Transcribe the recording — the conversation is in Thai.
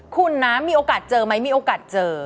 คุณนะมีโอกาสเจอไหมมีโอกาสเจอ